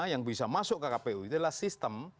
yang bisa masuk ke kpu itu adalah sistem